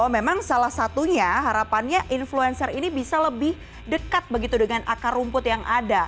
memang salah satunya harapannya influencer ini bisa lebih dekat begitu dengan akar rumput yang ada